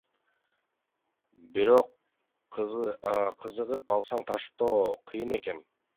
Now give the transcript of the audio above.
Бирок кызыгып алсаң таштоо кыйын экен.